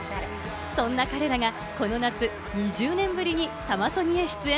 そんな彼らがこの夏、２０年ぶりにサマソニへ出演。